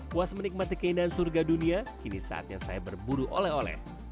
puas menikmati keindahan surga dunia kini saatnya saya berburu oleh oleh